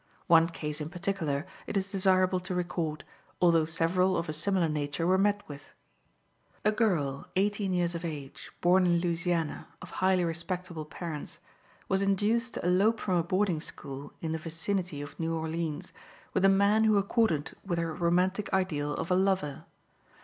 One case, in particular, it is desirable to record, although several of a similar nature were met with. A girl, eighteen years of age, born in Louisiana, of highly respectable parents, was induced to elope from a boarding school in the vicinity of New Orleans with a man who accorded with her romantic ideal of a lover.